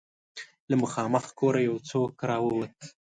له مخامخ کوره يو څوک را ووت.